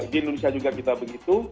di indonesia juga kita begitu